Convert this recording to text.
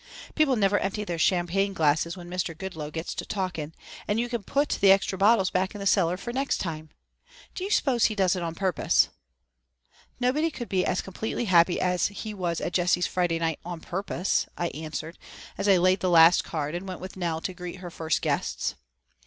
"People never empty their champagne glasses when Mr. Goodloe gets to talking, and you can put the extra bottles back in the cellar for next time. Do you suppose he does it on purpose?" "Nobody could be as completely happy as he was at Jessie's Friday night on purpose," I answered, as I laid the last card and went with Nell to greet her first guests.